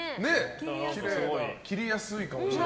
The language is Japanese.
切りやすいかもしれない。